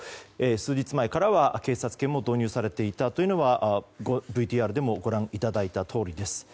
数日前からは警察犬も導入されていたというのはＶＴＲでもご覧いただいたとおりです。